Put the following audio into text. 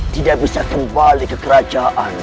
tidak bisa kembali ke kerajaan